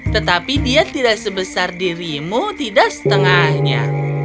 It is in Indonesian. tetapi dia tidak sebesar dirimu tidak setengahnya